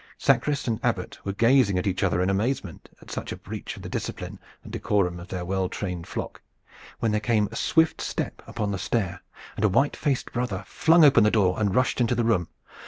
Sacrist and Abbot were gazing at each other in amazement at such a breach of the discipline and decorum of their well trained flock, when there came a swift step upon the stair, and a white faced brother flung open the door and rushed into the room.